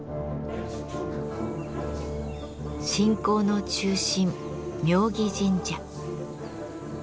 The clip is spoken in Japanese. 信仰の中心妙義神社。